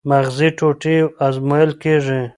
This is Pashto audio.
مغزي ټوټې ازمویل کېږي.